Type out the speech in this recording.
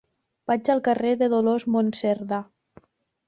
Vaig al carrer de Dolors Monserdà.